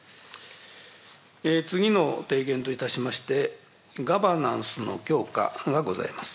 次の提言といたしまして、ガバナンスの強化がございます。